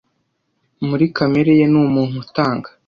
Muri kamere ye ni umuntu utanga.